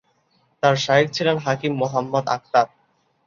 তার শায়খ ছিলেন হাকিম মুহাম্মদ আখতার।